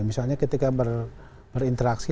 misalnya ketika berinteraksi